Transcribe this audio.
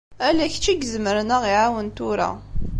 Ala kečč i izemren ad aɣ-iɛawen tura.